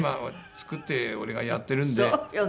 作って俺がやってるんで。